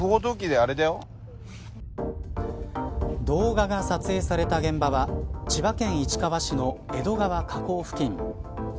動画が撮影された現場は千葉県市川市の江戸川河口付近。